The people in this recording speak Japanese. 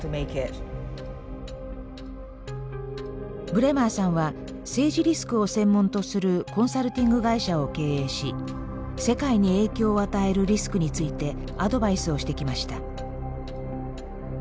ブレマーさんは政治リスクを専門とするコンサルティング会社を経営し世界に影響を与えるリスクについてアドバイスをしてきました。